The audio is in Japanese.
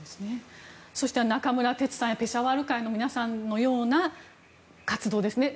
そして、中村哲さんやペシャワール会の皆さんのような活動ですね。